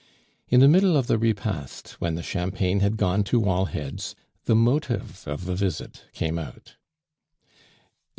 In the middle of the repast, when the champagne had gone to all heads, the motive of the visit came out.